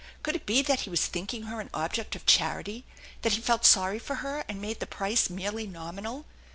Could it be that he was Chinking her an object of charity ? That he felt sorry for her and made the price merely nominal?